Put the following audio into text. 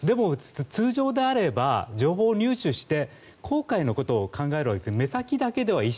通常であれば情報を入手して航海のことを考えるのは目先だけではない。